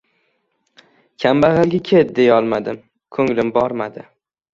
Kambag‘alga ket, deyolmadim — ko‘nglim bormadi.